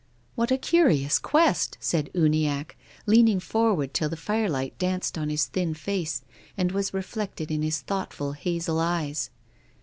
" What a curious quest !" said Uniacke, leaning forward till the firelight danced on his thin face and was reflected in his thoughtful hazel eyes.